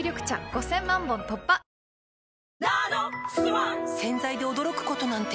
わかるぞ洗剤で驚くことなんて